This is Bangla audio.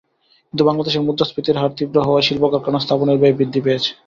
কিন্তু বাংলাদেশে মুদ্রাস্ফীতির হার তীব্র হওয়ায় শিল্পকারখানা স্থাপনের ব্যয় বৃদ্ধি পেয়েছে।